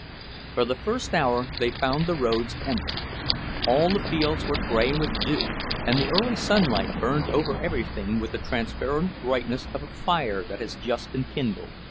For the first hour they found the roads empty. All the fields were grey with dew, and the early sunlight burned over everything with the transparent brightness of a fire that has just been kindled.